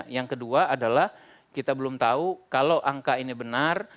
dan yang kedua adalah kita belum tahu kalau angka ini benar